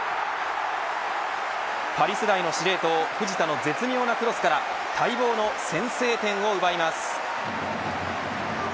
パリ世代の司令塔、藤田の絶妙なクロスから待望の先制点を奪います。